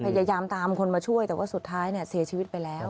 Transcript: พยายามตามคนมาช่วยแต่ว่าสุดท้ายเนี่ยเสียชีวิตไปแล้ว